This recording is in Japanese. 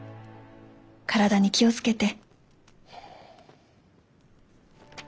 体に気を付けて」。